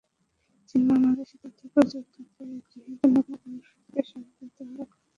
চীন বাংলাদেশের তথ্যপ্রযুক্তিতে গৃহীত নতুন কর্মসূচিতেও সম্পৃক্ত হওয়ার আগ্রহ প্রকাশ করেছে।